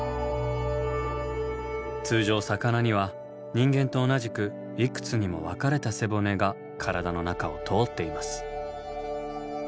通常魚には人間と同じくいくつにも分かれた背骨が体の中を通っています。